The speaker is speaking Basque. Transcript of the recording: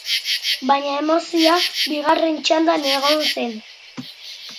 Baina emozioa bigarren txandan egon zen.